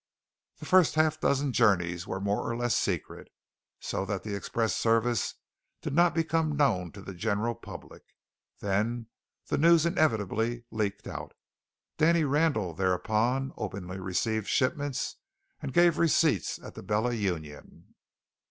The first half dozen journeys were more or less secret, so that the express service did not become known to the general public. Then the news inevitably leaked out. Danny Randall thereupon openly received shipments and gave receipts at the Bella Union.